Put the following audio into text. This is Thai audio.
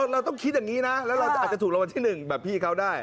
เราต้องคิดอย่างนี้นะแล้วเราอาจจะถูกรางวัลที่๑แบบพี่เขาได้